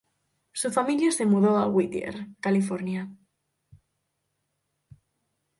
Su familia se mudó a Whittier, California.